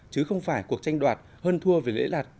chứ không phải cuộc tranh đoạt hân thua về lễ lạc